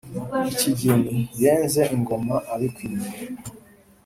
ikigeni yenze ingoma abikwiye